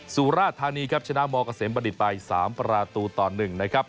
สุราธานีครับชนะมเกษมบัณฑิตไป๓ประตูต่อ๑นะครับ